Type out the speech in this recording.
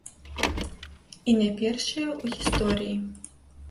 І не першыя ў гісторыі.